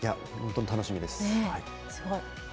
本当に楽しみです。